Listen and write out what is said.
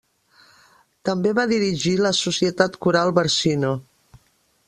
També va dirigir la Societat Coral Barcino.